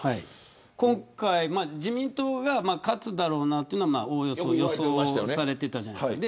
今回、自民党が勝つだろうなというのはおおよそ予想されていたじゃないですか。